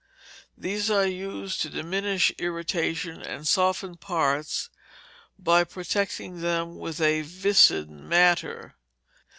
These are used to diminish irritation, and soften parts by protecting them with a viscid matter.